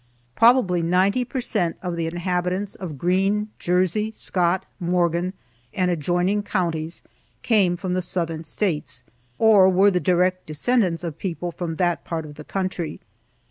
Probably 90 per cent of the inhabitants of Greene, Jersey, Scott, Morgan, and adjoining counties came from the Southern States, or were the direct descendants of people from that part of the country.